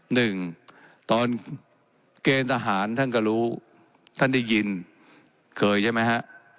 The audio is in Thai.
หนึ่งตอนเกณฑ์ทหารท่านก็รู้ท่านได้ยินเคยใช่ไหมฮะ